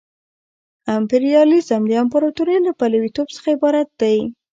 امپریالیزم د امپراطورۍ له پلویتوب څخه عبارت دی